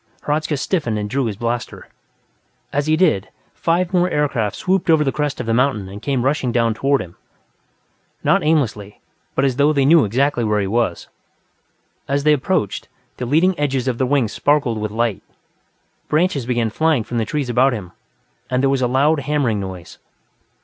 Hradzka stiffened and drew his blaster; as he did, five more aircraft swooped over the crest of the mountain and came rushing down toward him; not aimlessly, but as though they knew exactly where he was. As they approached, the leading edges of their wings sparkled with light, branches began flying from the trees about him, and there was a loud hammering noise.